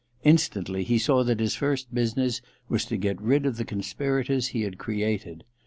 Instantly, he saw that his first business was to get rid of the conspirators he had created.